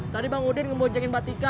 tadi bang udin ngemboncengin mbak tika